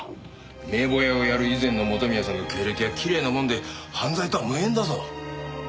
名簿屋をやる以前の元宮さんの経歴はきれいなもんで犯罪とは無縁だぞ。